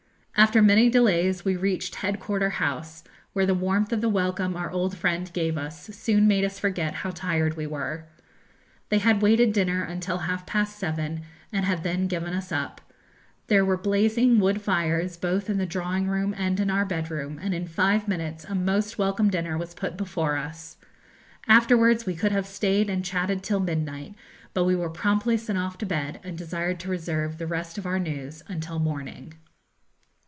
After many delays we reached Head quarter House, where the warmth of the welcome our old friend gave us soon made us forget how tired we were. They had waited dinner until half past seven, and had then given us up. There were blazing wood fires both in the drawing room and in our bedroom, and in five minutes a most welcome dinner was put before us. Afterwards we could have stayed and chatted till midnight, but we were promptly sent off to bed, and desired to reserve the rest of our news until morning.